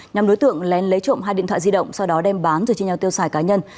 nhóm đối tượng lén lấy trộm hai điện thoại di động sau đó đem bán rồi chia nhau tiêu xài cá nhân